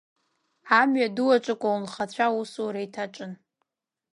Амҩаду аҿы аколнхацәа аусура еиҭаҿын.